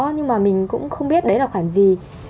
nhưng mà mình cũng không biết đấy là khoản gì